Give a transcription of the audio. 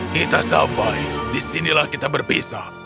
kita sampai disinilah kita berpisah